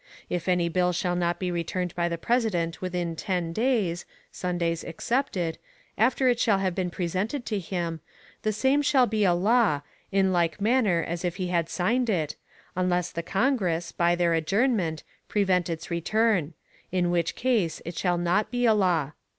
If any bill shall not be returned by the President within ten days (Sundays excepted) after it shall have been presented to him, the same shall be a law, in like manner as if he had signed it, unless the Congress, by their adjournment, prevent its return; in which case it shall not be a law.